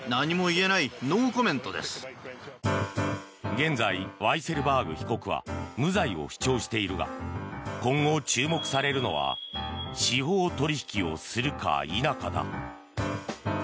現在、ワイセルバーグ被告は無罪を主張しているが今後、注目されるのは司法取引をするか否かだ。